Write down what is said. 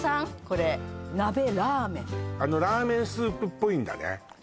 これ鍋ラーメンあのラーメンスープっぽいんだね